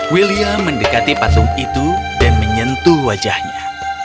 william mendekati patung itu dan menyentuh wajahnya